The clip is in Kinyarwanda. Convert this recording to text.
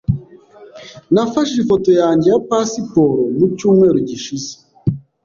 Nafashe ifoto yanjye ya pasiporo mu cyumweru gishize.